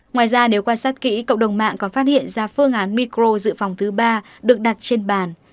ngoài ra nếu quan sát kỹ cộng đồng mạng còn phát hiện ra phương án micro dự phòng thứ ba được đặt trên bàn